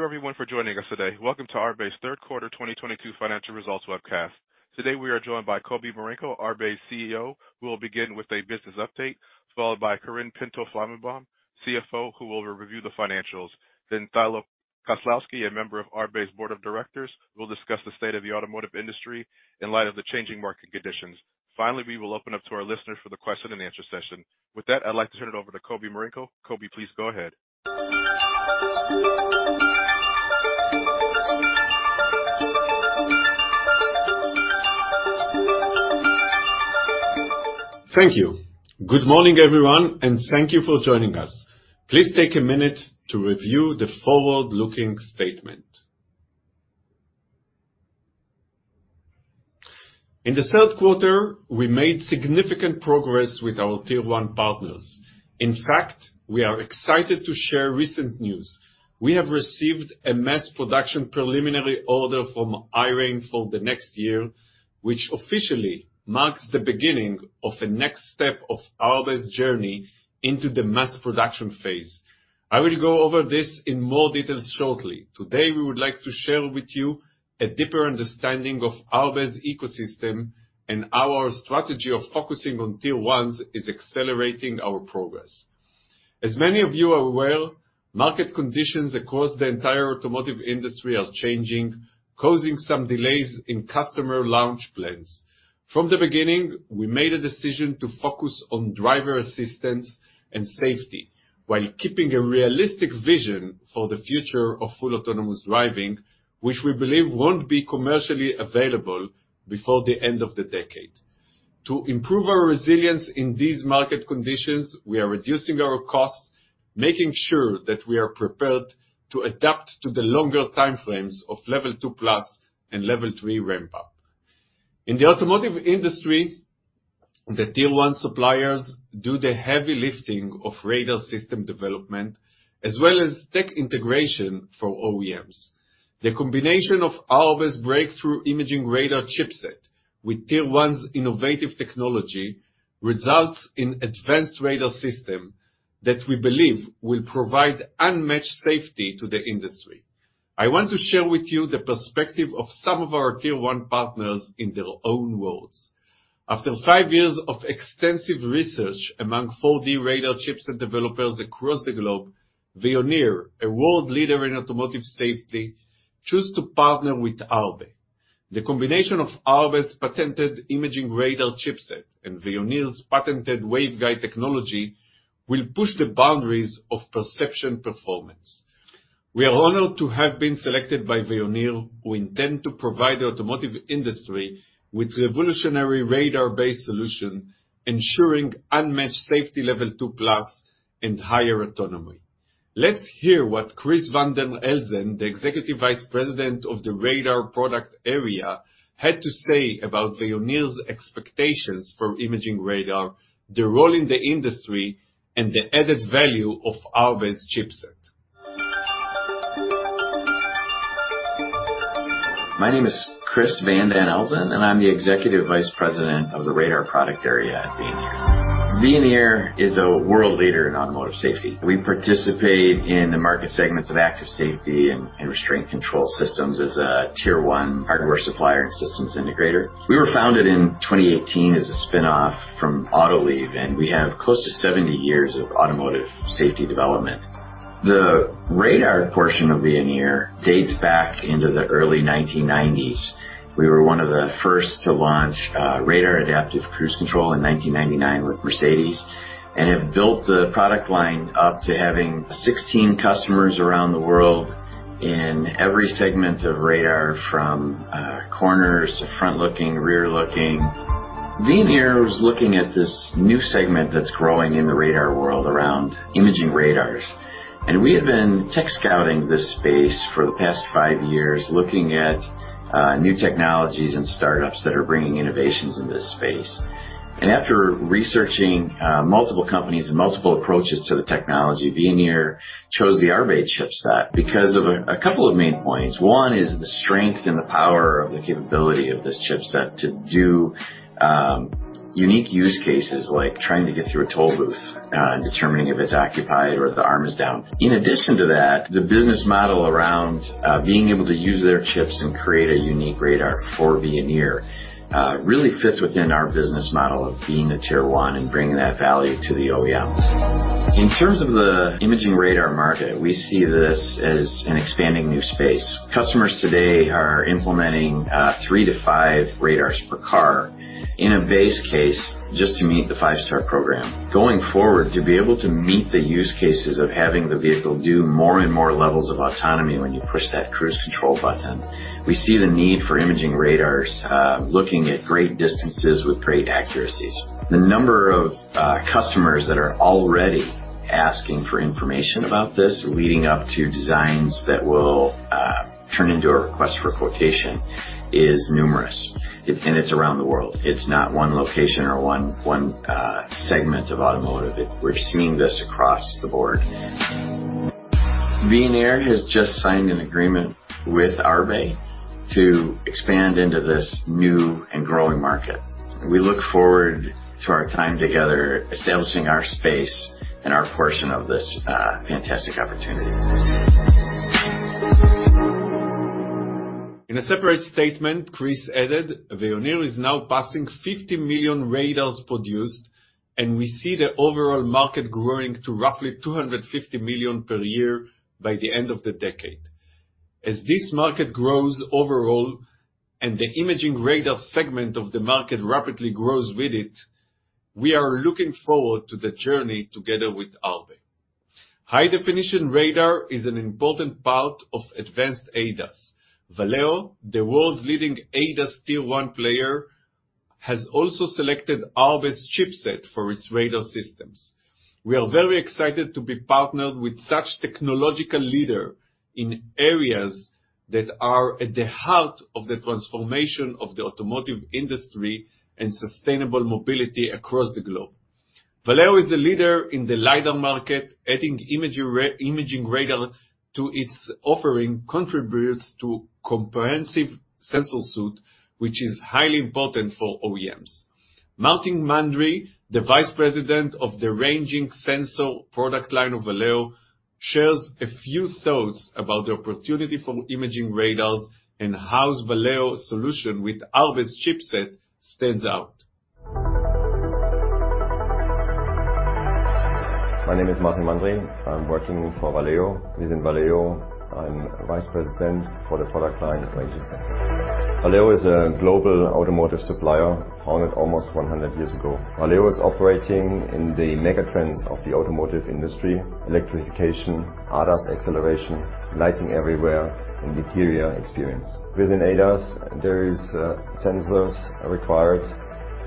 Thank you everyone for joining us today. Welcome to Arbe's third quarter 2022 financial results webcast. Today we are joined by Kobi Marenko, Arbe's CEO, who will begin with a business update, followed by Karine Pinto-Flomenboim, CFO, who will review the financials. Then Thilo Koslowski, a member of Arbe's board of directors, will discuss the state of the automotive industry in light of the changing market conditions. Finally, we will open up to our listeners for the question and answer session. With that, I'd like to turn it over to Kobi Marenko. Kobi, please go ahead. Thank you. Good morning, everyone, and thank you for joining us. Please take a minute to review the forward-looking statement. In the third quarter, we made significant progress with our Tier 1 partners. In fact, we are excited to share recent news. We have received a mass production preliminary order from HiRain for the next year, which officially marks the beginning of a next step of our best journey into the mass production phase. I will go over this in more details shortly. Today, we would like to share with you a deeper understanding of Arbe's ecosystem and how our strategy of focusing on Tier 1s is accelerating our progress. As many of you are aware, market conditions across the entire automotive industry are changing, causing some delays in customer launch plans. From the beginning, we made a decision to focus on driver assistance and safety while keeping a realistic vision for the future of full autonomous driving, which we believe won't be commercially available before the end of the decade. To improve our resilience in these market conditions, we are reducing our costs, making sure that we are prepared to adapt to the longer time frames of Level 2+ and Level three ramp up. In the automotive industry, the Tier 1 suppliers do the heavy lifting of radar system development as well as tech integration for OEMs. The combination of Arbe's breakthrough imaging radar chipset with Tier 1's innovative technology results in advanced radar system that we believe will provide unmatched safety to the industry. I want to share with you the perspective of some of our Tier 1 partners in their own words. After five years of extensive research among 4D radar chips and developers across the globe, Veoneer, a world leader in automotive safety, choose to partner with Arbe. The combination of Arbe's patented imaging radar chipset and Veoneer's patented waveguide technology will push the boundaries of perception performance. We are honored to have been selected by Veoneer, who intend to provide the automotive industry with revolutionary radar-based solution, ensuring unmatched safety Level 2+ and higher autonomy. Let's hear what Chris Van den Elzen, the Executive Vice President of the radar product area, had to say about Veoneer's expectations for imaging radar, their role in the industry, and the added value of Arbe's chipset. My name is Chris Van den Elzen, and I'm the executive vice president of the radar product area at Veoneer. Veoneer is a world leader in automotive safety. We participate in the market segments of active safety and restraint control systems as a Tier 1 hardware supplier and systems integrator. We were founded in 2018 as a spinoff from Autoliv, and we have close to 70 years of automotive safety development. The radar portion of Veoneer dates back into the early 1990s. We were one of the first to launch radar adaptive cruise control in 1999 with Mercedes and have built the product line up to having 16 customers around the world in every segment of radar from corners to front-looking, rear-looking. Veoneer was looking at this new segment that's growing in the radar world around imaging radars. We have been tech scouting this space for the past five years, looking at new technologies and startups that are bringing innovations in this space. After researching multiple companies and multiple approaches to the technology, Veoneer chose the Arbe chipset because of a couple of main points. One is the strength and the power of the capability of this chipset to do unique use cases like trying to get through a toll booth, determining if it's occupied or the arm is down. In addition to that, the business model around being able to use their chips and create a unique radar for Veoneer really fits within our business model of being a Tier 1 and bringing that value to the OEM. In terms of the Imaging Radar market, we see this as an expanding new space. Customers today are implementing 3-5 radars per car in a base case just to meet the five-star program. Going forward, to be able to meet the use cases of having the vehicle do more and more levels of autonomy when you push that cruise control button, we see the need for imaging radars looking at great distances with great accuracies. The number of customers that are already asking for information about this leading up to designs that will turn into a request for quotation is numerous. And it's around the world. It's not one location or one segment of automotive. We're seeing this across the board. Veoneer has just signed an agreement with Arbe to expand into this new and growing market. We look forward to our time together, establishing our space and our portion of this fantastic opportunity. In a separate statement, Chris added, "Veoneer is now passing 50 million radars produced, and we see the overall market growing to roughly 250 million per year by the end of the decade. As this market grows overall and the Imaging Radar segment of the market rapidly grows with it, we are looking forward to the journey together with Arbe. High-definition radar is an important part of advanced ADAS. Valeo, the world's leading ADAS tier one player, has also selected Arbe's chipset for its radar systems. We are very excited to be partnered with such technological leader in areas that are at the heart of the transformation of the automotive industry and sustainable mobility across the globe." Valeo is a leader in the Lidar market. Adding imaging radar to its offering contributes to comprehensive sensor suite, which is highly important for OEMs. Martin Mandry, the Vice President of the ranging sensor product line of Valeo, shares a few thoughts about the opportunity for imaging radars and how Valeo solution with Arbe's chipset stands out. My name is Martin Mandry. I'm working for Valeo. Within Valeo, I'm Vice President for the product line ranging sensors. Valeo is a global automotive supplier founded almost 100 years ago. Valeo is operating in the mega trends of the automotive industry, electrification, ADAS acceleration, lighting everywhere, and interior experience. Within ADAS, there is, sensors are required,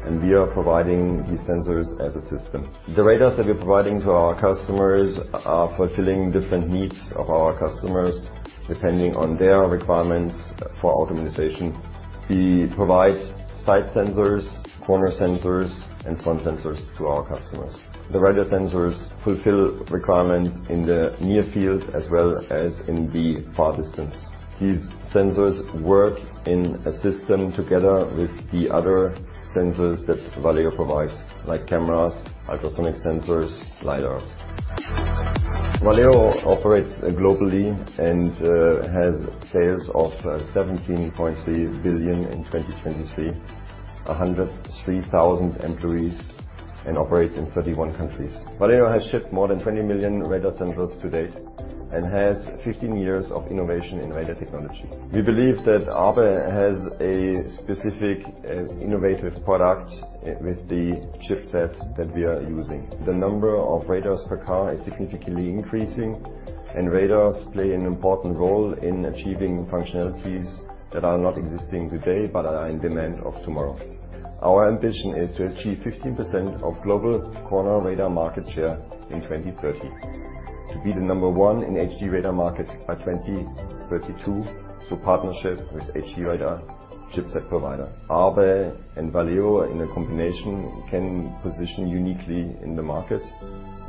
and we are providing these sensors as a system. The radars that we're providing to our customers are fulfilling different needs of our customers, depending on their requirements for optimization. We provide side sensors, corner sensors, and front sensors to our customers. The radar sensors fulfill requirements in the near field as well as in the far distance. These sensors work in a system together with the other sensors that Valeo provides, like cameras, ultrasonic sensors, lidar. Valeo operates globally and has sales of $17.3 billion in 2023, 103,000 employees and operates in 31 countries. Valeo has shipped more than 20 million radar sensors to date and has 15 years of innovation in radar technology. We believe that Arbe has a specific innovative product with the chipsets that we are using. The number of radars per car is significantly increasing, and radars play an important role in achieving functionalities that are not existing today but are in demand of tomorrow. Our ambition is to achieve 15% of global corner radar market share in 2030. To be the number one in HD radar market by 2032 through partnership with HD radar chipset provider. Arbe and Valeo in a combination can position uniquely in the market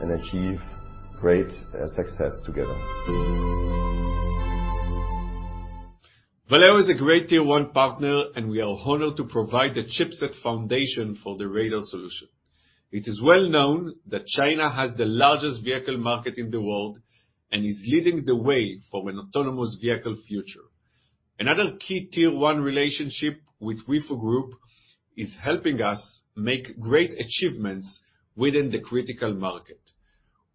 and achieve great success together. Valeo is a great Tier 1 partner, and we are honored to provide the chipset foundation for the radar solution. It is well known that China has the largest vehicle market in the world and is leading the way for an autonomous vehicle future. Another key Tier 1 relationship with Weifu Group is helping us make great achievements within the critical market.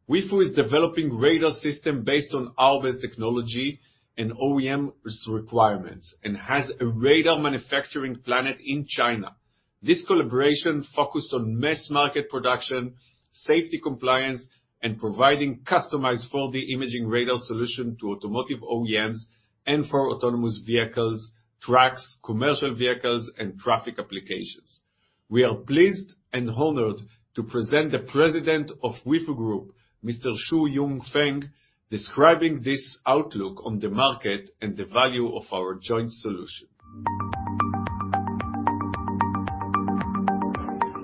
Weifu is developing radar system based on Arbe's technology and OEM's requirements and has a radar manufacturing plant in China. This collaboration focused on mass market production, safety compliance, and providing customization for the Imaging Radar solution to automotive OEMs and for autonomous vehicles, trucks, commercial vehicles, and traffic applications. We are pleased and honored to present the president of Weifu Group, Mr. Yunfeng Xu, describing this outlook on the market and the value of our joint solution.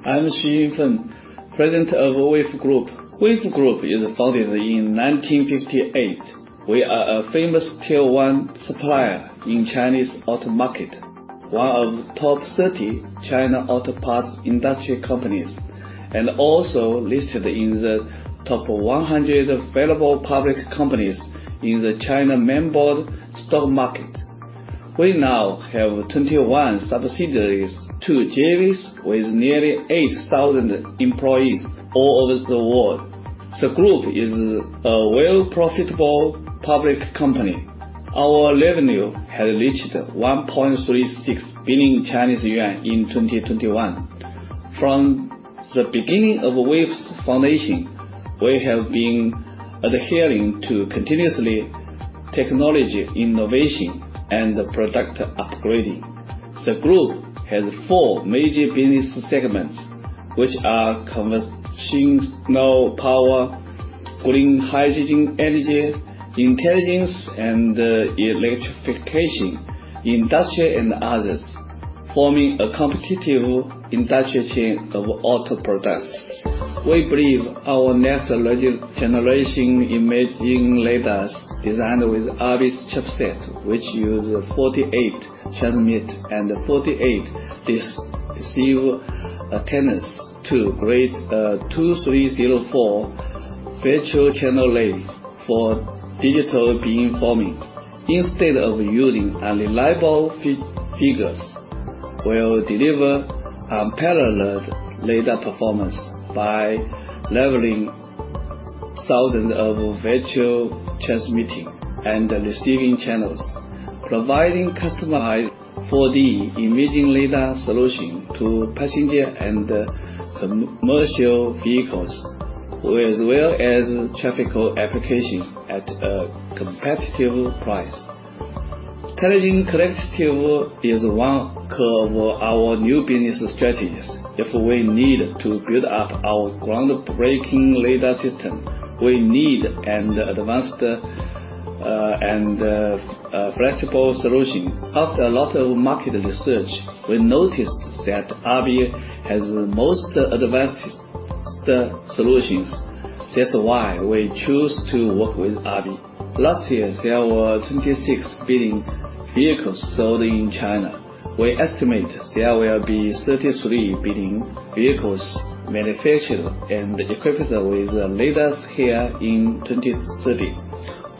I'm Yunfeng Xu, president of Weifu Group. Weifu Group is founded in 1958. We are a famous Tier 1 supplier in Chinese auto market, one of top 30 China auto parts industry companies, and also listed in the top 100 available public companies in the China Main Board stock market. We now have 21 subsidiaries, two JVs with nearly 8,000 employees all over the world. The group is a well profitable public company. Our revenue has reached 1.36 billion Chinese yuan in 2021. From the beginning of Weifu's foundation, we have been adhering to continuously technology, innovation, and product upgrading. The group has four major business segments, which are conventional power, green hydrogen energy, intelligence and electrification, industry and others, forming a competitive industry chain of auto products. We believe our next logic generation imaging radars designed with Arbe's chipset, which use 48 transmit and 48 receive antennas to create 2,304. Virtual channel layer for digital beamforming instead of using unreliable figures will deliver unparalleled radar performance by leveraging thousands of virtual transmitting and receiving channels, providing customized 4D imaging radar solution to passenger and commercial vehicles, as well as autonomous applications at a competitive price. Intelligent collaboration is one of our new business strategies. If we need to build up our groundbreaking radar system, we need an advanced and flexible solution. After a lot of market research, we noticed that Arbe has the most advanced solutions. That's why we choose to work with Arbe. Last year, there were 26 million vehicles sold in China. We estimate there will be 33 million vehicles manufactured and equipped with radars here in 2030.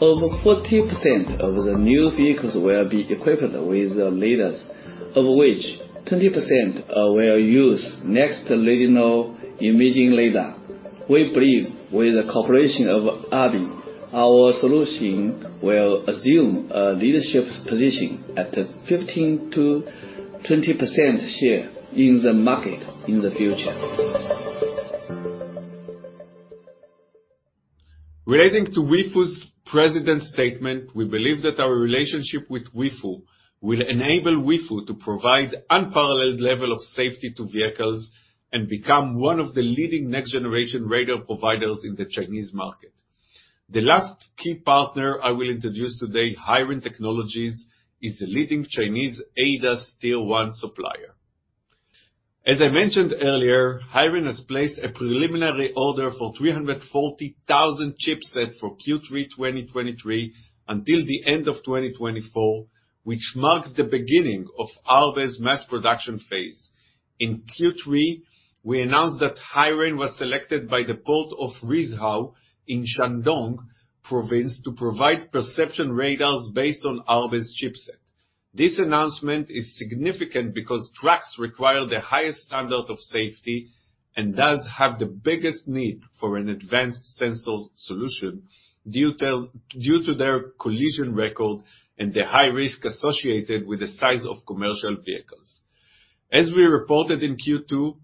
Over 40% of the new vehicles will be equipped with radars, of which 20% will use next-generation imaging radar. We believe with the cooperation of Arbe, our solution will assume a leadership position at 15%-20% share in the market in the future. Relating to Weifu's president statement, we believe that our relationship with Weifu will enable Weifu to provide unparalleled level of safety to vehicles and become one of the leading next generation radar providers in the Chinese market. The last key partner I will introduce today, HiRain Technologies, is the leading Chinese ADAS tier one supplier. As I mentioned earlier, HiRain has placed a preliminary order for 340,000 chipset for Q3 2023 until the end of 2024, which marks the beginning of Arbe's mass production phase. In Q3, we announced that HiRain was selected by the Port of Rizhao in Shandong Province to provide perception radars based on Arbe's chipset. This announcement is significant because trucks require the highest standard of safety and thus have the biggest need for an advanced sensor solution due to their collision record and the high risk associated with the size of commercial vehicles. As we reported in Q2,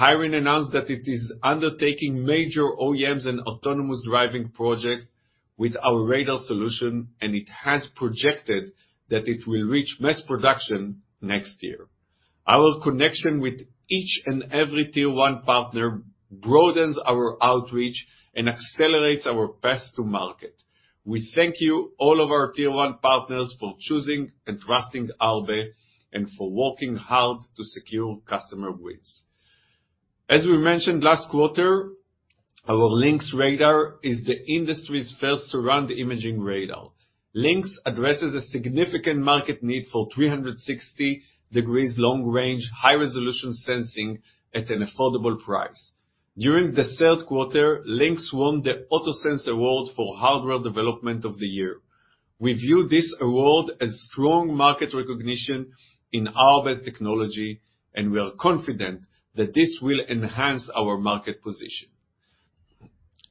HiRain announced that it is undertaking major OEMs and autonomous driving projects with our radar solution, and it has projected that it will reach mass production next year. Our connection with each and every Tier 1 partner broadens our outreach and accelerates our path to market. We thank you, all of our Tier 1 partners, for choosing and trusting Arbe and for working hard to secure customer wins. As we mentioned last quarter, our Lynx radar is the industry's first surround imaging radar. Lynx addresses a significant market need for 360-degree long-range high-resolution sensing at an affordable price. During the third quarter, Lynx won the AutoSens Award for Hardware Development of the Year. We view this award as strong market recognition in our best technology, and we are confident that this will enhance our market position.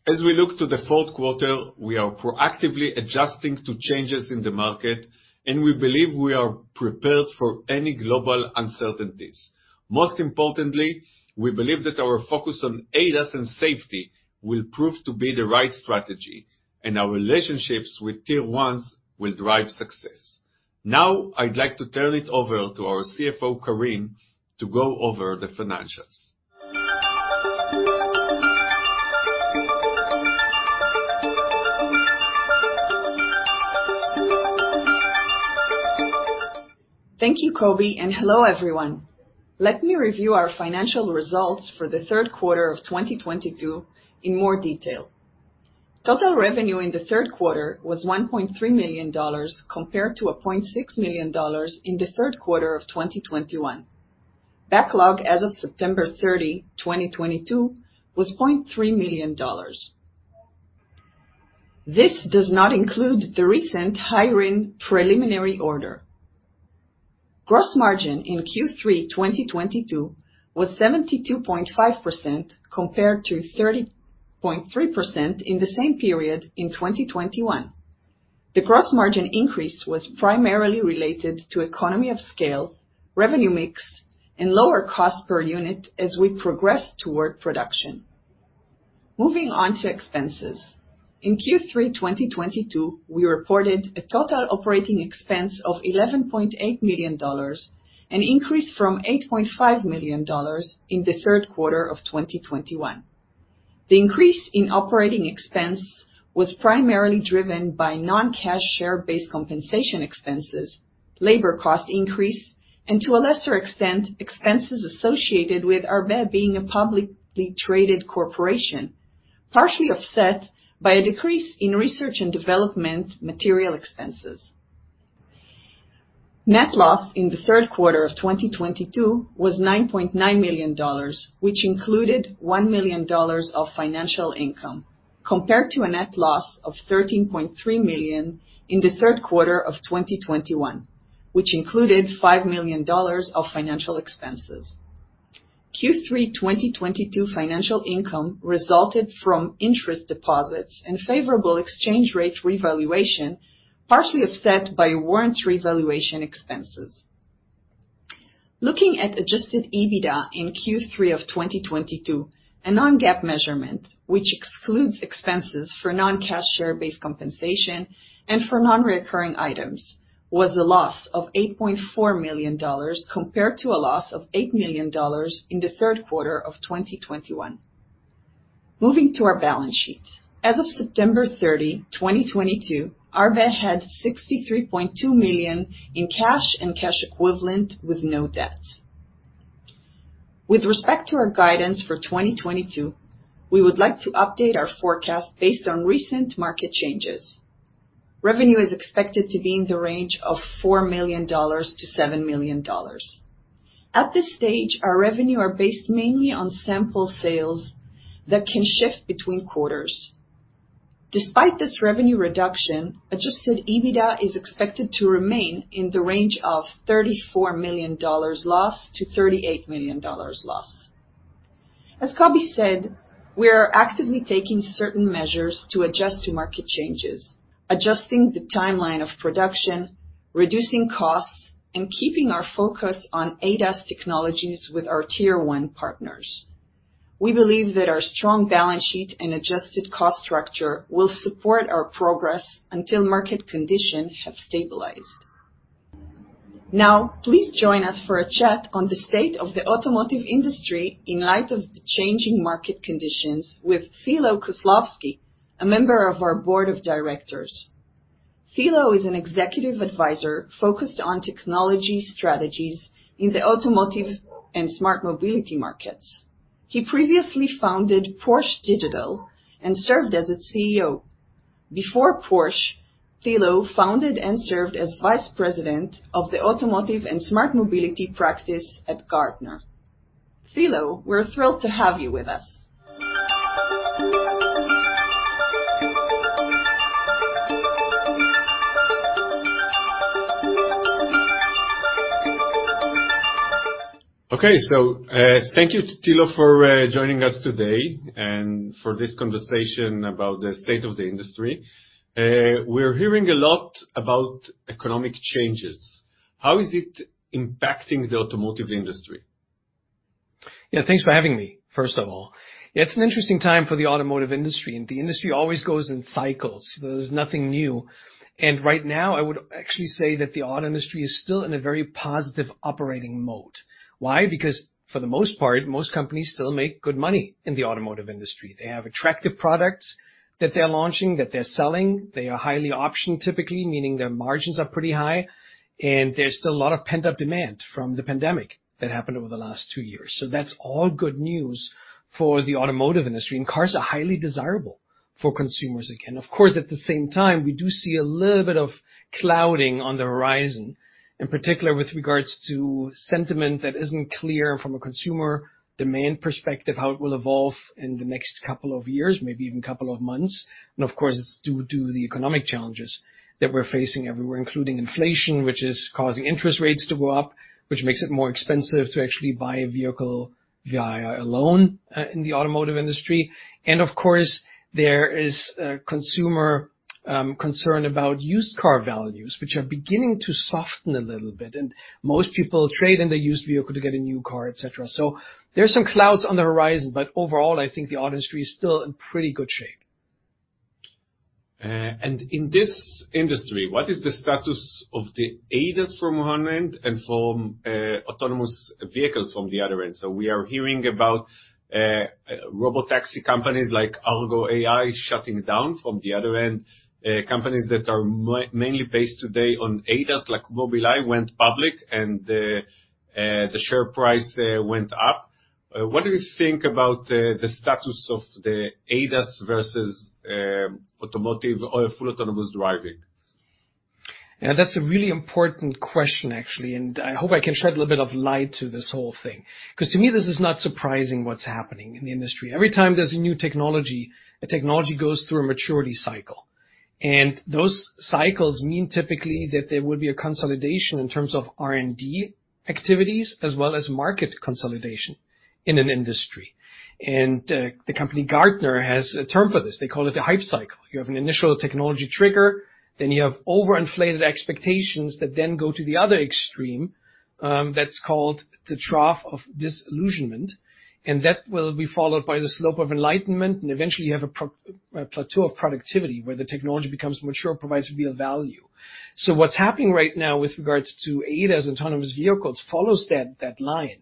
As we look to the fourth quarter, we are proactively adjusting to changes in the market, and we believe we are prepared for any global uncertainties. Most importantly, we believe that our focus on ADAS and safety will prove to be the right strategy, and our relationships with tier ones will drive success. Now, I'd like to turn it over to our CFO, Karine, to go over the financials. Thank you, Kobi, and hello, everyone. Let me review our financial results for the third quarter of 2022 in more detail. Total revenue in the third quarter was $1.3 million compared to $0.6 million in the third quarter of 2021. Backlog as of September 30, 2022 was $0.3 million. This does not include the recent HiRain preliminary order. Gross margin in Q3 2022 was 72.5% compared to 30.3% in the same period in 2021. The gross margin increase was primarily related to economies of scale, revenue mix, and lower cost per unit as we progress toward production. Moving on to expenses. In Q3 2022, we reported a total operating expense of $11.8 million, an increase from $8.5 million in the third quarter of 2021. The increase in operating expense was primarily driven by non-cash share-based compensation expenses, labor cost increase, and to a lesser extent, expenses associated with Arbe being a publicly traded corporation, partially offset by a decrease in research and development material expenses. Net loss in the third quarter of 2022 was $9.9 million, which included $1 million of financial income compared to a net loss of $13.3 million in the third quarter of 2021, which included $5 million of financial expenses. Q3 2022 financial income resulted from interest deposits and favorable exchange rate revaluation, partially offset by warrants revaluation expenses. Looking at Adjusted EBITDA in Q3 of 2022, a non-GAAP measurement, which excludes expenses for non-cash share-based compensation and for non-recurring items, was a loss of $8.4 million compared to a loss of $8 million in the third quarter of 2021. Moving to our balance sheet. As of September 30, 2022, Arbe had $63.2 million in cash and cash equivalents with no debt. With respect to our guidance for 2022, we would like to update our forecast based on recent market changes. Revenue is expected to be in the range of $4 million-$7 million. At this stage, our revenue are based mainly on sample sales that can shift between quarters. Despite this revenue reduction, Adjusted EBITDA is expected to remain in the range of $34 million loss-$38 million loss. As Kobi said, we are actively taking certain measures to adjust to market changes, adjusting the timeline of production, reducing costs, and keeping our focus on ADAS technologies with our Tier 1 partners. We believe that our strong balance sheet and adjusted cost structure will support our progress until market condition have stabilized. Now, please join us for a chat on the state of the automotive industry in light of the changing market conditions with Thilo Koslowski, a member of our board of directors. Thilo is an executive advisor focused on technology strategies in the automotive and smart mobility markets. He previously founded Porsche Digital and served as its CEO. Before Porsche, Thilo founded and served as vice president of the automotive and smart mobility practice at Gartner. Thilo, we're thrilled to have you with us. Okay. Thank you, Thilo, for joining us today and for this conversation about the state of the industry. We're hearing a lot about economic changes. How is it impacting the automotive industry? Yeah, thanks for having me, first of all. It's an interesting time for the automotive industry, and the industry always goes in cycles. There's nothing new. Right now, I would actually say that the auto industry is still in a very positive operating mode. Why? Because for the most part, most companies still make good money in the automotive industry. They have attractive products that they're launching, that they're selling. They are highly optioned, typically, meaning their margins are pretty high, and there's still a lot of pent-up demand from the pandemic that happened over the last two years. That's all good news for the automotive industry, and cars are highly desirable for consumers again. Of course, at the same time, we do see a little bit of clouding on the horizon, in particular with regards to sentiment that isn't clear from a consumer demand perspective, how it will evolve in the next couple of years, maybe even couple of months. Of course, it's due to the economic challenges that we're facing everywhere, including inflation, which is causing interest rates to go up, which makes it more expensive to actually buy a vehicle via a loan in the automotive industry. Of course, there is a consumer concern about used car values, which are beginning to soften a little bit. Most people trade in their used vehicle to get a new car, et cetera. There are some clouds on the horizon, but overall, I think the auto industry is still in pretty good shape. In this industry, what is the status of the ADAS from one end and from autonomous vehicles from the other end? We are hearing about robotaxi companies like Argo AI shutting down from the other end, companies that are mainly based today on ADAS, like Mobileye, went public and the share price went up. What do you think about the status of the ADAS versus autonomous or full autonomous driving? Yeah, that's a really important question, actually, and I hope I can shed a little bit of light to this whole thing, 'cause to me, this is not surprising what's happening in the industry. Every time there's a new technology, the technology goes through a maturity cycle, and those cycles mean typically that there will be a consolidation in terms of R&D activities as well as market consolidation in an industry. The company Gartner has a term for this. They call it the Hype Cycle. You have an initial technology trigger, then you have overinflated expectations that then go to the other extreme, that's called the Trough of Disillusionment, and that will be followed by the Slope of Enlightenment, and eventually you have a plateau of productivity, where the technology becomes mature, provides real value. What's happening right now with regards to ADAS autonomous vehicles follows that line.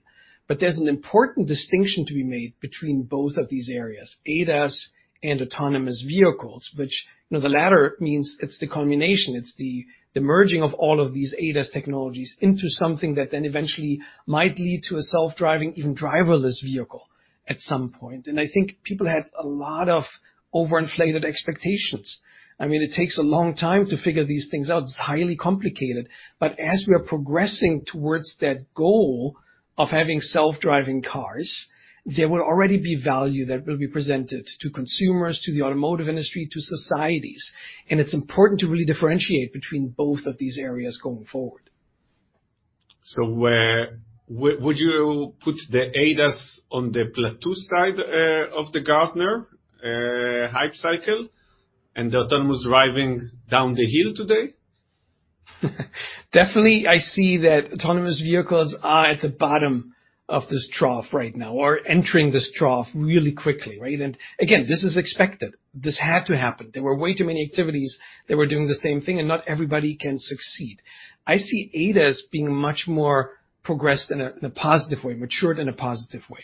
But there's an important distinction to be made between both of these areas, ADAS and autonomous vehicles, which, you know, the latter means it's the combination, it's the merging of all of these ADAS technologies into something that then eventually might lead to a self-driving, even driverless vehicle. At some point. I think people had a lot of overinflated expectations. I mean, it takes a long time to figure these things out. It's highly complicated. But as we are progressing towards that goal of having self-driving cars, there will already be value that will be presented to consumers, to the automotive industry, to societies. It's important to really differentiate between both of these areas going forward. Where would you put the ADAS on the plateau side of the Gartner Hype Cycle, and the autonomous driving down the hill today? Definitely I see that autonomous vehicles are at the bottom of this trough right now, or entering this trough really quickly, right? Again, this is expected. This had to happen. There were way too many activities that were doing the same thing, and not everybody can succeed. I see ADAS being much more progressed in a positive way, matured in a positive way.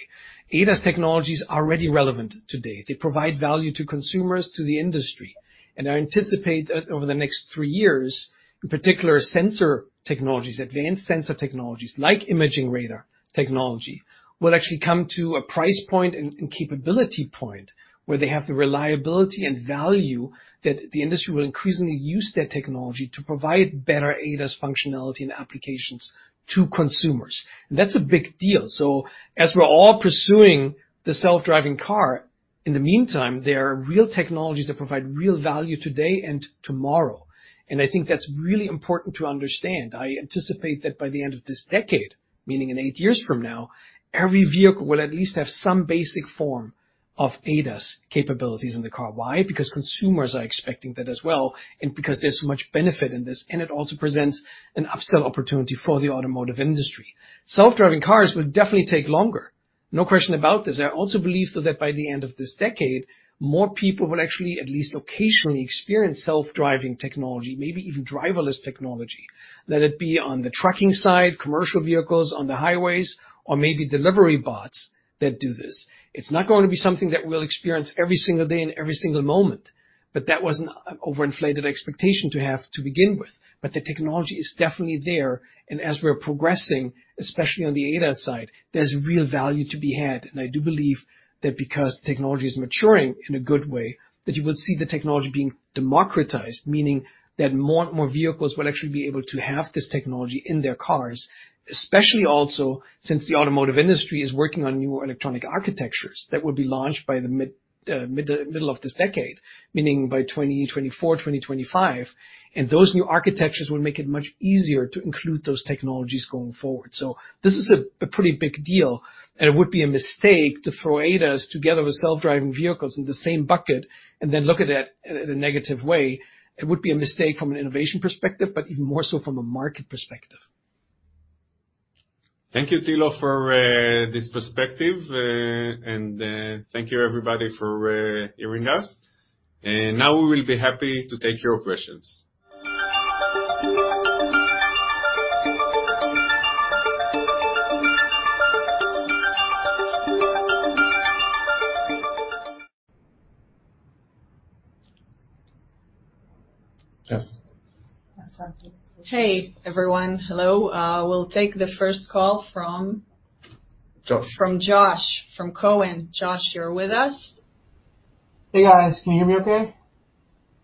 ADAS technologies are already relevant today. They provide value to consumers, to the industry, and I anticipate over the next three years, in particular, sensor technologies, advanced sensor technologies, like imaging radar technology, will actually come to a price point and capability point where they have the reliability and value that the industry will increasingly use that technology to provide better ADAS functionality and applications to consumers. That's a big deal. As we're all pursuing the self-driving car, in the meantime, there are real technologies that provide real value today and tomorrow. I think that's really important to understand. I anticipate that by the end of this decade, meaning in eight years from now, every vehicle will at least have some basic form of ADAS capabilities in the car. Why? Because consumers are expecting that as well, and because there's much benefit in this, and it also presents an upsell opportunity for the automotive industry. Self-driving cars will definitely take longer. No question about this. I also believe, though, that by the end of this decade, more people will actually at least occasionally experience self-driving technology, maybe even driverless technology. Let it be on the trucking side, commercial vehicles on the highways, or maybe delivery bots that do this. It's not going to be something that we'll experience every single day and every single moment, but that was an overinflated expectation to have to begin with. The technology is definitely there, and as we are progressing, especially on the ADAS side, there's real value to be had. I do believe that because technology is maturing in a good way, that you will see the technology being democratized, meaning that more and more vehicles will actually be able to have this technology in their cars, especially also since the automotive industry is working on new electronic architectures that will be launched by the middle of this decade, meaning by 2024, 2025. Those new architectures will make it much easier to include those technologies going forward. this is a pretty big deal, and it would be a mistake to throw ADAS together with self-driving vehicles in the same bucket and then look at it in a negative way. It would be a mistake from an innovation perspective, but even more so from a market perspective. Thank you, Thilo, for this perspective, and thank you everybody for hearing us. Now we will be happy to take your questions. Yes. Hey, everyone. Hello. We'll take the first call from. Josh. From Josh, from Cowen. Josh, you're with us. Hey, guys. Can you hear me okay?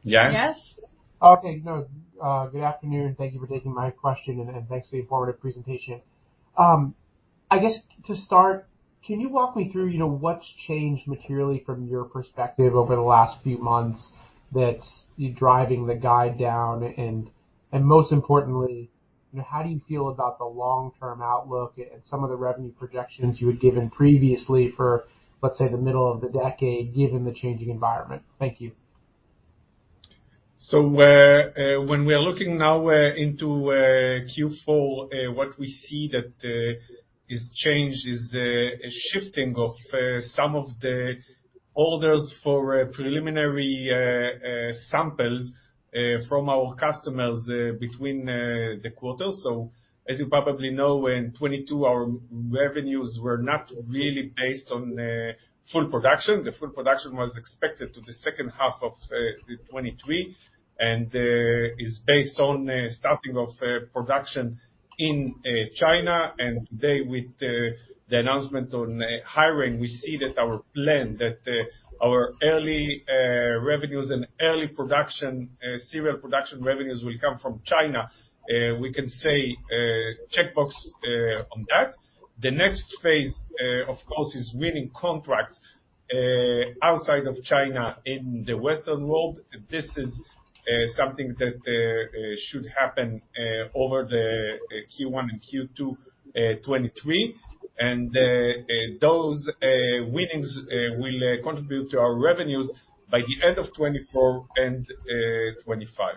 Yes. Yes. Good afternoon. Thank you for taking my question, and thanks for the informative presentation. I guess to start, can you walk me through, you know, what's changed materially from your perspective over the last few months that's driving the guide down? And most importantly, you know, how do you feel about the long-term outlook and some of the revenue projections you had given previously for, let's say, the middle of the decade, given the changing environment? Thank you. When we are looking now into Q4, what we see that is changed is a shifting of some of the orders for preliminary samples from our customers between the quarters. As you probably know, in 2022, our revenues were not really based on full production. The full production was expected to the second half of 2023, and is based on starting of production in China. Today, with the announcement on hiring, we see that our plan that our early revenues and early production serial production revenues will come from China. We can say checkbox on that. The next phase, of course, is winning contracts outside of China in the Western world. This is something that should happen over the Q1 and Q2 2023. Those wins will contribute to our revenues by the end of 2024 and 2025.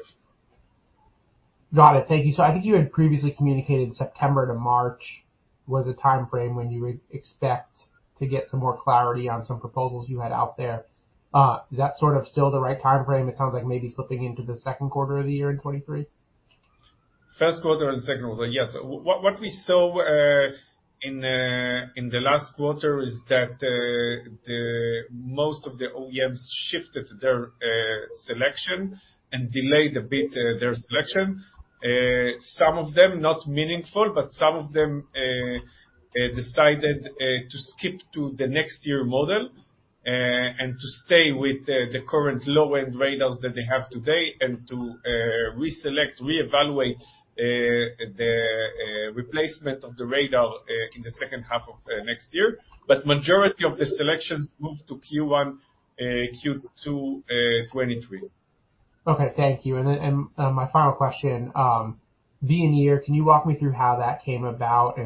Got it. Thank you. I think you had previously communicated September to March was the timeframe when you would expect to get some more clarity on some proposals you had out there. Is that sort of still the right timeframe? It sounds like maybe slipping into the second quarter of the year in 2023. First quarter and second quarter, yes. What we saw in the last quarter is that most of the OEMs shifted their selection and delayed a bit their selection. Some of them not meaningful, but some of them decided to skip to the next year model and to stay with the current low-end radars that they have today, and to reselect, reevaluate the replacement of the radar in the second half of next year. Majority of the selections moved to Q1, Q2 2023. Okay. Thank you. My final question, Veoneer, can you walk me through how that came about?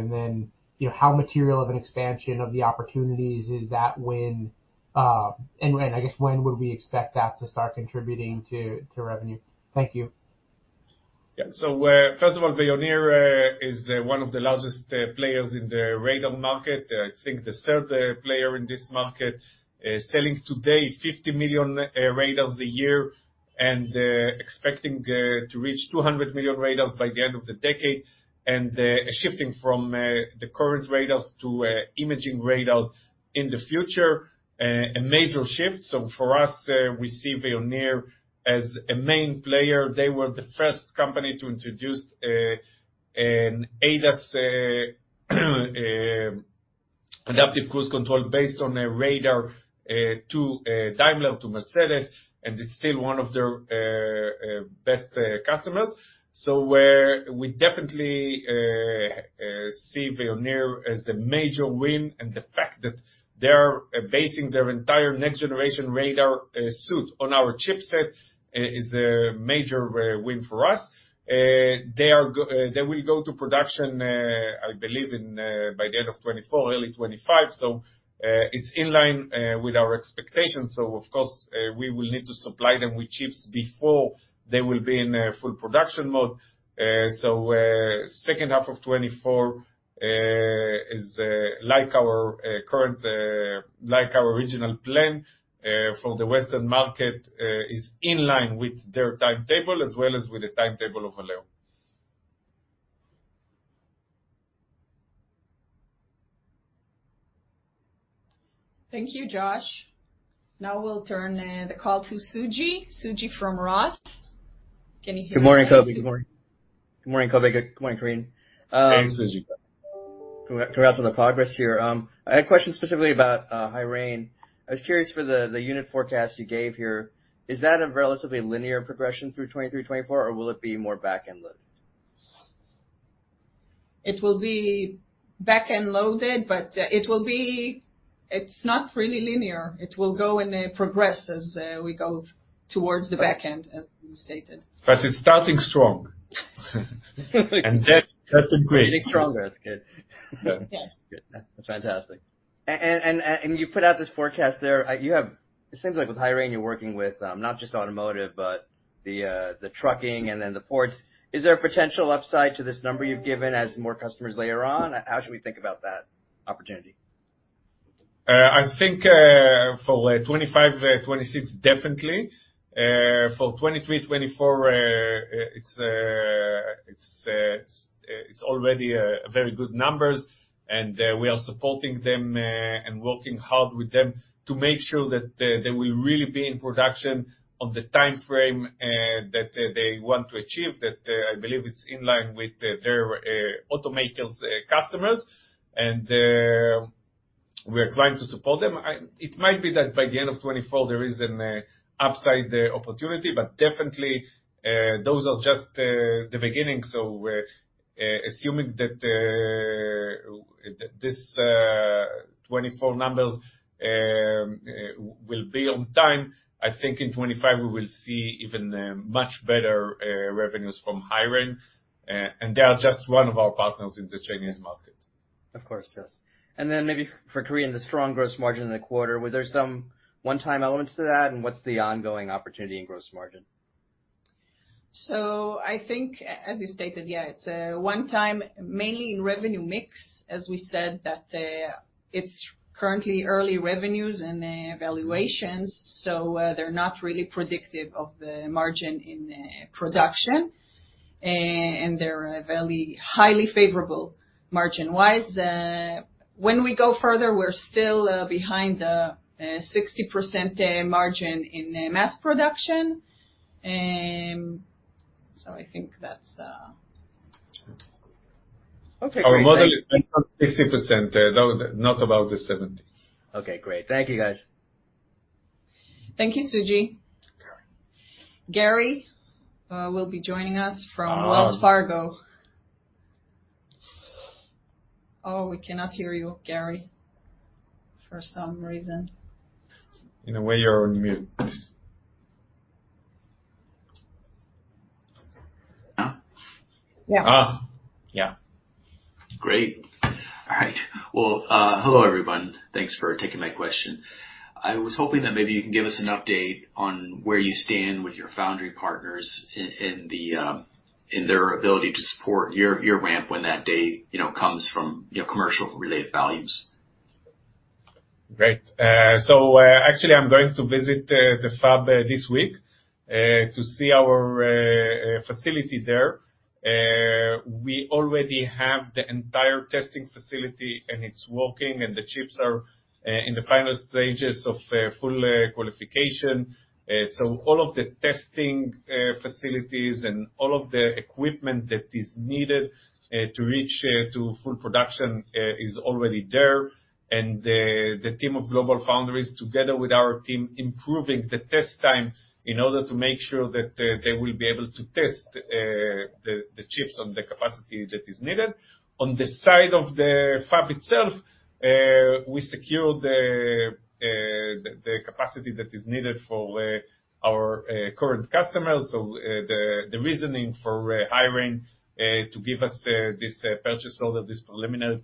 You know, how material of an expansion of the opportunities is that? When, I guess, would we expect that to start contributing to revenue? Thank you. Yeah. First of all, Veoneer is one of the largest players in the radar market. I think the third player in this market. Selling today 50 million radars a year and expecting to reach 200 million radars by the end of the decade. Shifting from the current radars to imaging radars in the future. A major shift. For us, we see Veoneer as a main player. They were the first company to introduce an ADAS adaptive cruise control based on a radar to Daimler, to Mercedes-Benz, and it's still one of their best customers. We definitely see Veoneer as a major win. The fact that they are basing their entire next generation radar suit on our chipset is a major win for us. They will go to production, I believe, by the end of 2024, early 2025. It's in line with our expectations. Of course, we will need to supply them with chips before they will be in full production mode. Second half of 2024 is like our original plan for the Western market is in line with their timetable as well as with the timetable of Valeo. Thank you, Josh. Now we'll turn the call to Suji. Suji from Roth. Can you hear me? Good morning, Kobi. Good morning. Good morning, Kobi. Good morning, Karine. Hey, Suji. Congrats on the progress here. I had a question specifically about HiRain. I was curious for the unit forecast you gave here, is that a relatively linear progression through 2023, 2024, or will it be more back-end loaded? It will be back-end loaded, but it will be. It's not really linear. It will go and progress as we go towards the back end, as you stated. It's starting strong. That's a great. Getting stronger. That's good. Yes. Good. Fantastic. You put out this forecast there. It seems like with HiRain you're working with not just automotive, but the trucking and then the ports. Is there a potential upside to this number you've given as more customers later on? How should we think about that opportunity? I think for 2025, 2026, definitely. For 2023, 2024, it's already very good numbers and we are supporting them and working hard with them to make sure that they will really be in production on the timeframe that they want to achieve. That, I believe, it's in line with their automakers customers. We are trying to support them. It might be that by the end of 2024 there is an upside opportunity, but definitely those are just the beginning. Assuming that this 2024 numbers will be on time, I think in 2025 we will see even much better revenues from HiRain. They are just one of our partners in the Chinese market. Of course. Yes. Maybe for Karine, the strong gross margin in the quarter, was there some one-time elements to that? What's the ongoing opportunity in gross margin? I think, as you stated, yeah, it's one-time, mainly in revenue mix, as we said, that it's currently early revenues and evaluations, so they're not really predictive of the margin in production. And they're very highly favorable margin-wise. When we go further, we're still behind the 60% margin in mass production. I think that's Okay. Great. Thanks. Our model is based on 60%, though, not about the 70%. Okay, great. Thank you, guys. Thank you, Suji. Gary. Gary will be joining us from. Um Wells Fargo. Oh, we cannot hear you, Gary, for some reason. In a way, you're on mute. Now? Yeah. Well, hello, everyone. Thanks for taking my question. I was hoping that maybe you can give us an update on where you stand with your foundry partners in their ability to support your ramp when that day, you know, comes, you know, commercial-related volumes. Great. So actually, I'm going to visit the fab this week to see our facility there. We already have the entire testing facility and it's working, and the chips are in the final stages of full qualification. So all of the testing facilities and all of the equipment that is needed to reach full production is already there. The team of GlobalFoundries, together with our team, improving the test time in order to make sure that they will be able to test the chips on the capacity that is needed. On the side of the fab itself, we secured the capacity that is needed for our current customers. The reasoning for hiring to give us this preliminary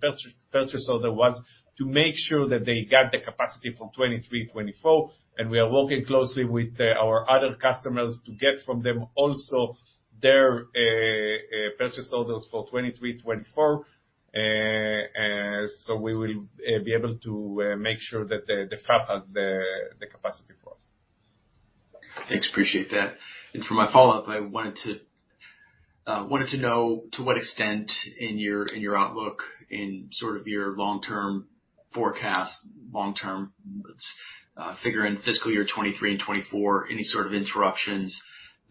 purchase order was to make sure that they got the capacity for 2023, 2024. We are working closely with our other customers to get from them also their purchase orders for 2023, 2024. We will be able to make sure that the fab has the capacity for us. Thanks. Appreciate that. For my follow-up, I wanted to know to what extent in your outlook, in sort of your long-term forecast, long-term, let's figure in fiscal year 2023 and 2024, any sort of interruptions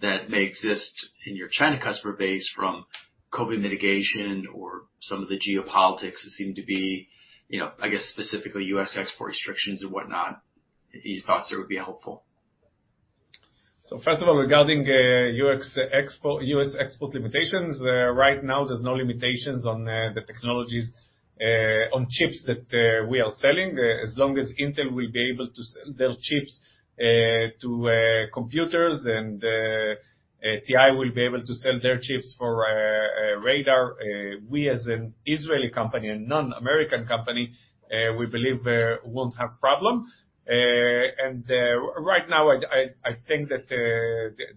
that may exist in your China customer base from COVID mitigation or some of the geopolitics that seem to be, you know, I guess specifically U.S. export restrictions and whatnot. Any thoughts there would be helpful. First of all, regarding US export limitations, right now there's no limitations on the technologies on chips that we are selling. As long as Intel will be able to sell their chips to computers and TI will be able to sell their chips for radar, we as an Israeli company, a non-American company, we believe won't have problem. Right now I think that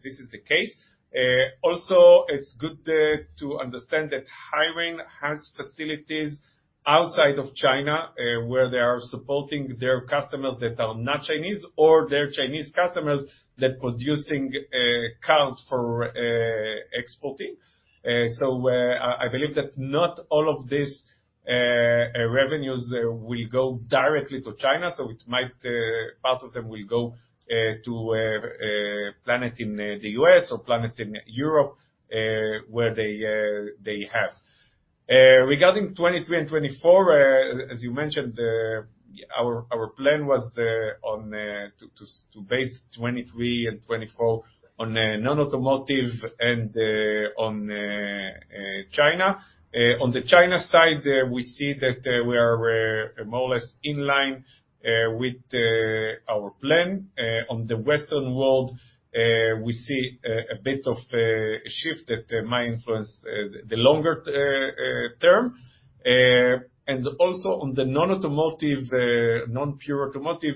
this is the case. Also it's good to understand that HiRain has facilities outside of China, where they are supporting their customers that are not Chinese or their Chinese customers that producing cars for exporting. I believe that not all of these revenues will go directly to China, so it might, part of them will go to plants in the U.S. or plants in Europe, where they have. Regarding 2023 and 2024, as you mentioned, our plan was to base 2023 and 2024 on non-automotive and on China. On the China side, we see that we are more or less in line with our plan. On the Western world, we see a bit of a shift that might influence the longer term. Also on the non-automotive, non-pure automotive,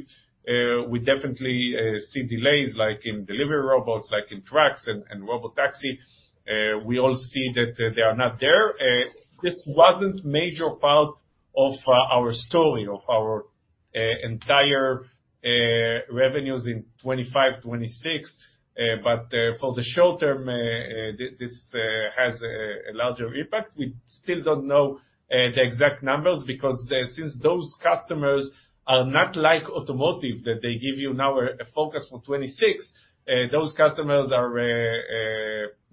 we definitely see delays like in delivery robots, like in trucks and robotaxi. We all see that they are not there. This wasn't major part of our story of our entire revenues in 2025, 2026. For the short term, this has a larger impact. We still don't know the exact numbers because since those customers are not like automotive, that they give you now a focus for 2026, those customers are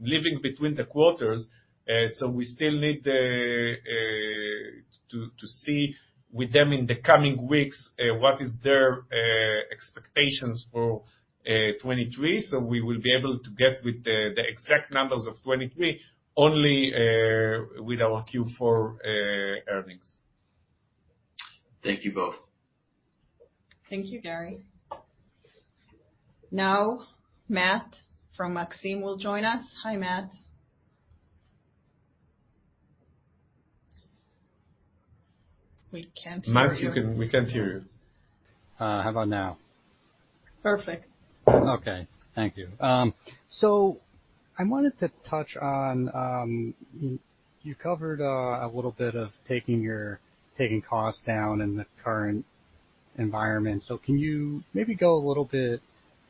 living between the quarters. We still need to see with them in the coming weeks what is their expectations for 2023. We will be able to get with the exact numbers of 2023 only with our Q4 earnings. Thank you both. Thank you, Gary. Now Matt from Maxim will join us. Hi, Matt. We can't hear you. Matt, we can't hear you. How about now? Perfect. Okay. Thank you. I wanted to touch on, you covered a little bit of taking your costs down in the current environment. Can you maybe go a little bit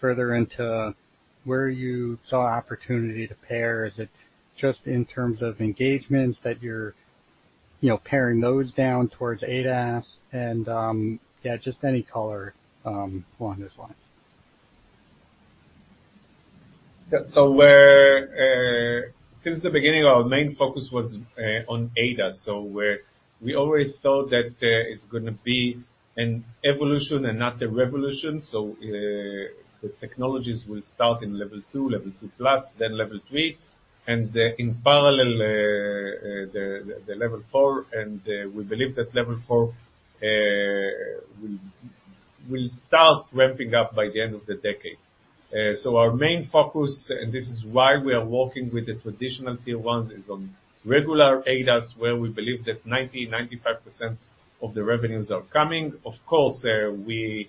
further into where you saw opportunity to pare? Is it just in terms of engagements that you're, you know, paring those down towards ADAS? Yeah, just any color along those lines. Since the beginning, our main focus was on ADAS. We always thought that it's gonna be an evolution and not a revolution. The technologies will start in Level two, Level 2+, then Level three, and in parallel, the Level four. We believe that Level four will start ramping up by the end of the decade. Our main focus, and this is why we are working with the traditional Tier 1s, is on regular ADAS where we believe that 90%-95% of the revenues are coming. Of course, we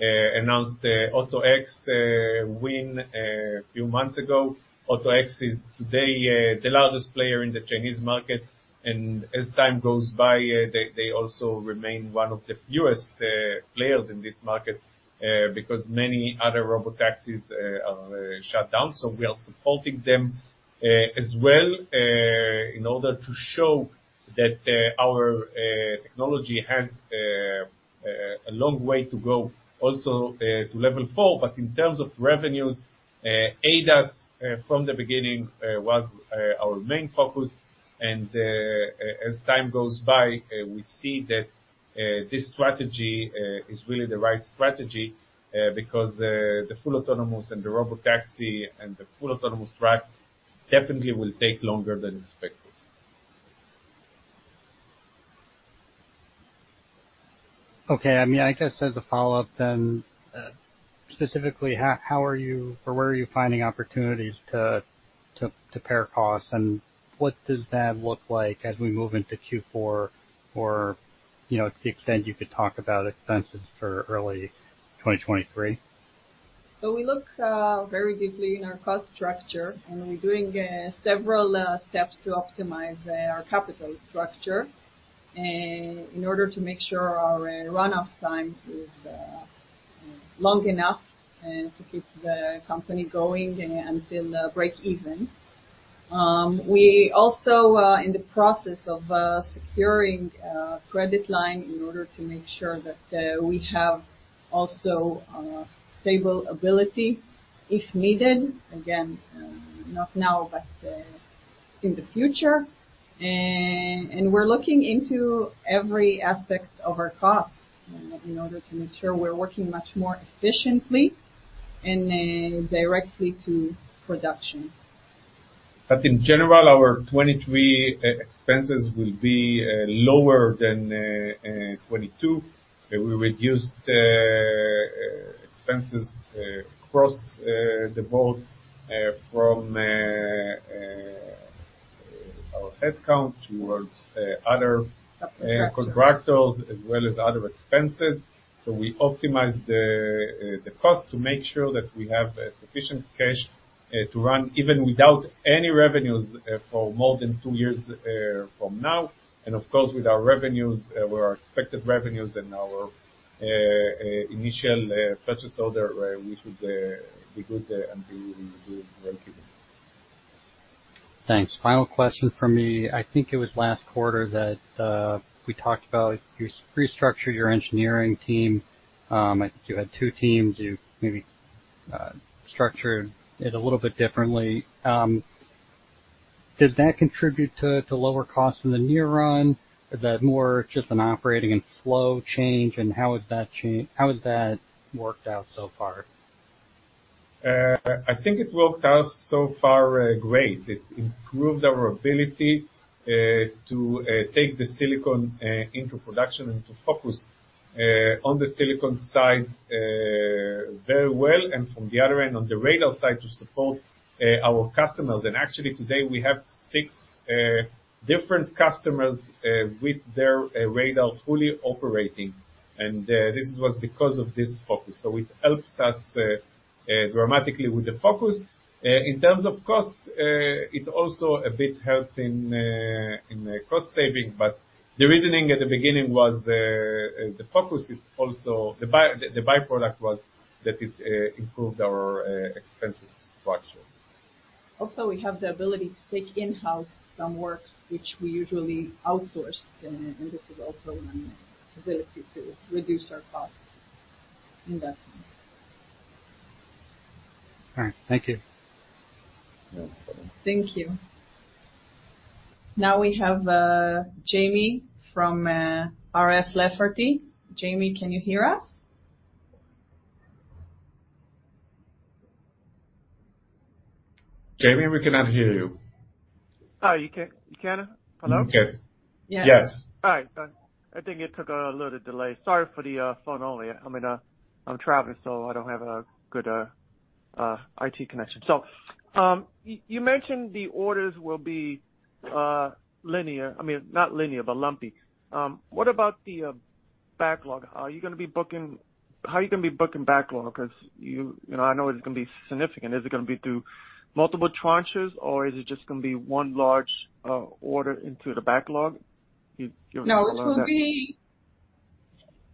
announced the AutoX win a few months ago. AutoX is today the largest player in the Chinese market. As time goes by, they also remain one of the few players in this market because many other robotaxis are shut down. We are supporting them as well in order to show that our technology has a long way to go also to Level 4. In terms of revenues, ADAS from the beginning was our main focus. As time goes by, we see that this strategy is really the right strategy because the full autonomous and the robotaxi and the full autonomous trucks definitely will take longer than expected. Okay. I mean, I guess as a follow-up then, specifically, how are you or where are you finding opportunities to pare costs, and what does that look like as we move into Q4 or, you know, to the extent you could talk about expenses for early 2023? We look very deeply in our cost structure, and we're doing several steps to optimize our capital structure in order to make sure our runway time is long enough to keep the company going until breakeven. We also are in the process of securing a credit line in order to make sure that we have also stability if needed. Again, not now, but in the future. We're looking into every aspect of our costs in order to make sure we're working much more efficiently and directly to production. Our 2023 expenses will be lower than 2022. We reduced expenses across the board from our headcount toward other- Subcontractors. contractors as well as other expenses. We optimized the cost to make sure that we have sufficient cash to run even without any revenues for more than two years from now. Of course, with our expected revenues and our initial purchase order, we should be good and be really good break even. Thanks. Final question from me. I think it was last quarter that we talked about you restructured your engineering team. I think you had two teams. You maybe structured it a little bit differently. Did that contribute to lower costs in the near run? Is that more just an operating and flow change, and how has that worked out so far? I think it worked out so far, great. It improved our ability to take the silicon into production and to focus on the silicon side very well, and from the other end on the radar side to support our customers. Actually today we have six different customers with their radar fully operating. This was because of this focus. It helped us dramatically with the focus. In terms of cost, it also a bit helped in cost saving, but the reasoning at the beginning was the focus, and the by-product was that it improved our expenses structure. Also, we have the ability to take in-house some works which we usually outsourced, and this is also an ability to reduce our costs in that sense. All right. Thank you. You're welcome. Thank you. Now we have Jamie from R.F. Lafferty. Jamie, can you hear us? Jamie, we cannot hear you. Oh, you can't, you can? Hello? We can. Yes. Yes. All right. I think it took a little delay. Sorry for the phone only. I'm traveling, so I don't have a good IT connection. You mentioned the orders will be linear. I mean, not linear, but lumpy. What about the backlog? How are you gonna be booking backlog? 'Cause you know, I know it's gonna be significant. Is it gonna be through multiple tranches or is it just gonna be one large order into the backlog? No,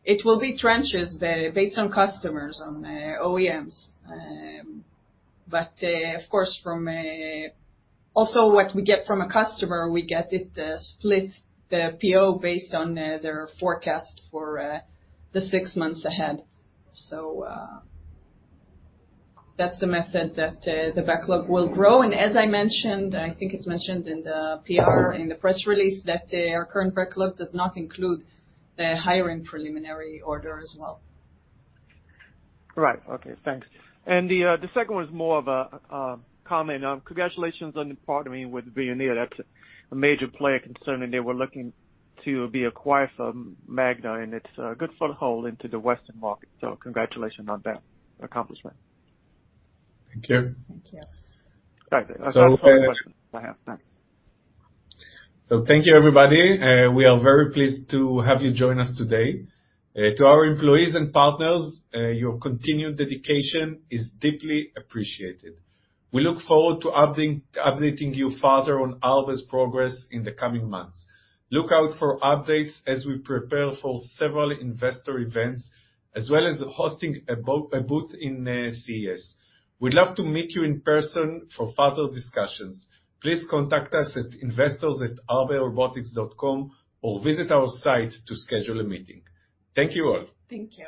it will be tranches based on customers, on OEMs. But of course, also from what we get from a customer, we get it split the PO based on their forecast for the six months ahead. That's the method that the backlog will grow. As I mentioned, and I think it's mentioned in the PR, in the press release, that our current backlog does not include the entire preliminary order as well. Right. Okay, thanks. The second one is more of a comment. Congratulations on partnering with Veoneer. That's a major player concerned, and they were looking to be acquired from Magna, and it's a good foothold into the Western market. Congratulations on that accomplishment. Thank you. Thank you. All right. That's all the questions I have. Thanks. Thank you, everybody. We are very pleased to have you join us today. To our employees and partners, your continued dedication is deeply appreciated. We look forward to updating you further on Arbe's progress in the coming months. Look out for updates as we prepare for several investor events, as well as hosting a booth in CES. We'd love to meet you in person for further discussions. Please contact us at investors@arberobotics.com or visit our site to schedule a meeting. Thank you all. Thank you.